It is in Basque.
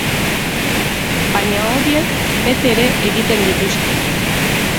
Baina horiek bete ere egiten dituzte.